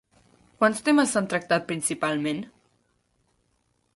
Quants temes s'han tractat principalment?